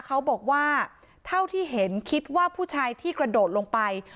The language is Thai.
เขาบอกว่าเท่าที่เห็นคิดว่าผู้ชายที่กระโดดลงไป